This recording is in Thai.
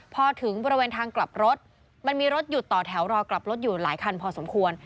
พอถึงบริเวณทางกลับรถมันมีรถหยุดต่อแถวรอกลับรถอยู่หลายคันพอสมควร